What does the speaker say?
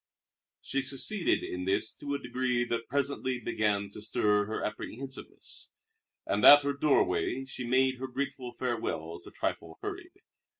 She succeeded in this to a degree that presently began to stir her apprehensiveness, and at her doorway she made her grateful farewells a trifle hurried.